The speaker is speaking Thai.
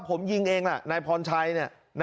ผมยิงเองล่ะนายพรชัย